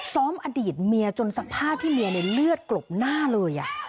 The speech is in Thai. ซ้อมอดีตเมียจนสภาพที่เมียเนี่ยเลือดกลบหน้าเลย